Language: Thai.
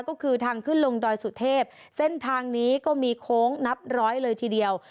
ก็คือทางขึ้นลงดอยสุเทพเส้นทางนี้ก็มีโค้งนับร้อยเลยทีเดียว